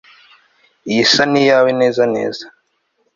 Iyi isa niyawe neza neza